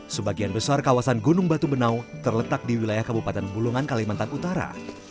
sebagian besar kawasan gunung batu benau terletak di wilayah kabupaten bulungan kalimantan utara